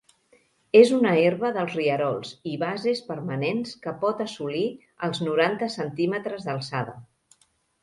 És una herba dels rierols i bases permanents que pot assolir els noranta centímetres d'alçada.